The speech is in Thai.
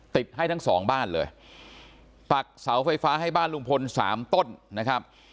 ให้ทั้งสองบ้านเลยปักเสาไฟฟ้าให้บ้านลุงพลสามต้นนะครับ